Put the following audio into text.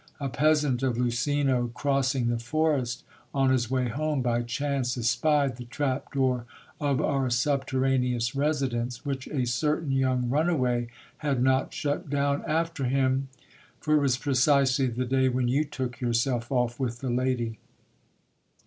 A peasant of Luceno, crossing the forest on his way home, by chance espied the trap door of our subterraneous residence, which a certain young run CAPTAIN ROLANDO'S NARRATIVE. away had not shut down after him, for it was precisely the day when you took yourself off with the lady.